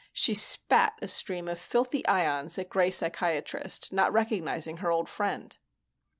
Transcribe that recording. She spat a stream of filthy ions at Gray Psychiatrist, not recognizing her old friend.